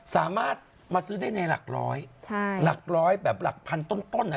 สามารถมาซื้อได้ในหลักร้อยใช่หลักร้อยแบบหลักพันต้นต้นอ่ะ